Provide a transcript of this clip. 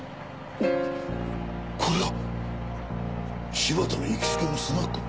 これは柴田の行きつけのスナックの。